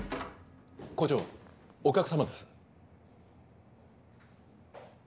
校長お客様です。